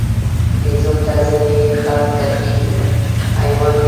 بیزو ته ځینې خلک تفریحي حیوان ګڼي.